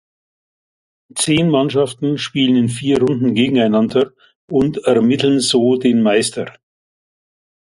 Zehn Mannschaften spielen in vier Runden gegeneinander und ermitteln so den Meister.